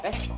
pak pak pak